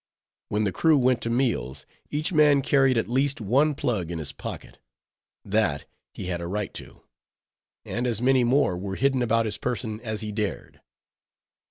When the crew went to meals, each man carried at least one plug in his pocket; that he had a right to; and as many more were hidden about his person as he dared.